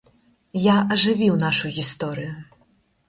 Я ажывіў нашу гісторыю.